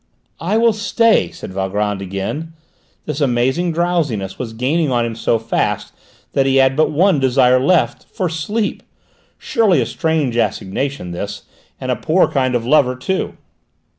"I will stay!" said Valgrand again; this amazing drowsiness was gaining on him so fast that he had but one desire left for sleep! Surely a strange assignation, this, and a poor kind of lover, too!